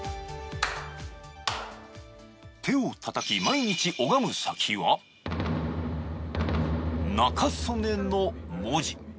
手をたたき、毎日、拝む先は「中曽根」の文字。